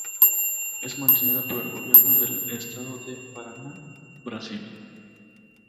Es mantenida por el gobierno del Estado de Paraná, Brasil.